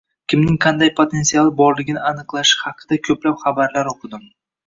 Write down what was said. Kimning qanday potensiali borligini aniqlashi haqida koʻplab xabarlar oʻqidim.